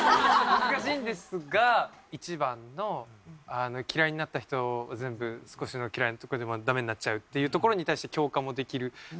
難しいんですが１番の「嫌いになった人は全部少しの嫌いなとこでもダメになっちゃう」っていうところに対して共感もできるし。